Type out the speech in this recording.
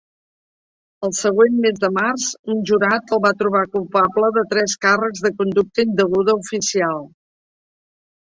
Al següent mes de març, un jurat el va trobar culpable de tres càrrecs de conducta indeguda oficial.